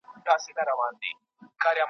وبا د لوږي نیولې سیمه.